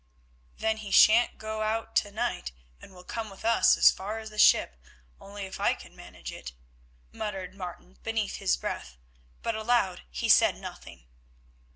"Then he shan't go out to night, and will come with us as far as the ship only if I can manage it," muttered Martin beneath his breath, but aloud he said nothing.